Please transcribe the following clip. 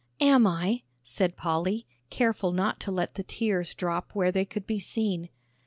"Am I?" said Polly, careful not to let the tears drop where they could be seen.